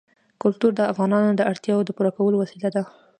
کلتور د افغانانو د اړتیاوو د پوره کولو وسیله ده.